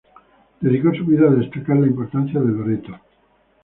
Dedicó su vida a destacar la importancia de Loreto.